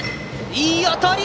いい当たり！